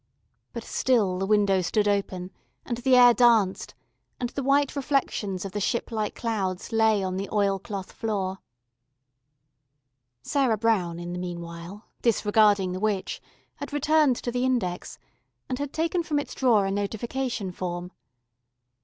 But still the window stood open, and the air danced, and the white reflections of the ship like clouds lay on the oilcloth floor. Sarah Brown in the meanwhile, disregarding the witch, had returned to the index, and had taken from its drawer a notification form.